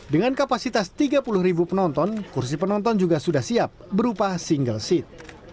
dengan kapasitas tiga puluh ribu penonton kursi penonton juga sudah siap berupa single seat